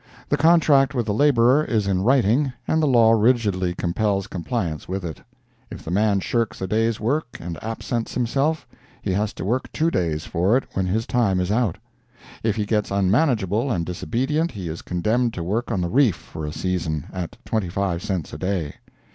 The contract with the laborer is in writing, and the law rigidly compels compliance with it; if the man shirks a day's work and absents himself, he has to work two days for it when his time is out. If he gets unmanageable and disobedient, he is condemned to work on the reef for a season, at twenty five cents a day.